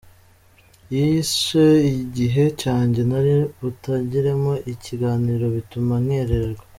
Yishe igihe cyanjye nari butangiremo ikiganiro bituma nkererwa.